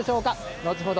後ほど